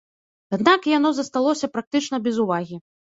Аднак яно засталося практычна без увагі.